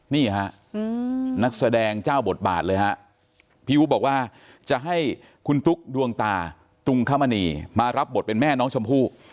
นี่ฮะนักแสดงเจ้าบทบาทเลยฮะพี่อู๋บอกว่าจะให้คุณตุ๊กดวงตาตุงคมณีมารับบทเป็นแม่น้องชมพู่